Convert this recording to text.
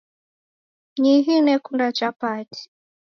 Nyihi nekunda chapati